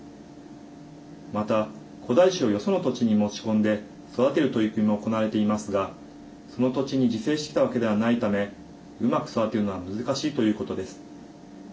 また、古代種をよその土地に持ち込んで育てる取り組みも行われていますがその土地に自生してきたわけではないためうまく育てるのは難しいということです。